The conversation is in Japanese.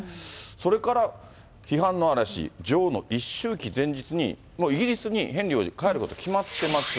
それから批判の嵐、女王の一周忌前日に、イギリスにヘンリー王子、帰ること決まってます。